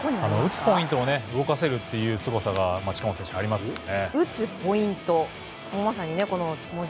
打つポイントを動かせるというすごさが近本選手はありますよね。